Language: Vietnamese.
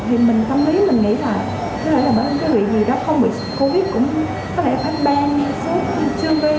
thì mình tâm lý mình nghĩ là có lẽ là bởi vì người ta không bị covid cũng có lẽ phát ban như sốt như chương viên